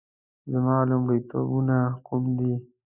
زما لومړیتوبونه کوم دي؟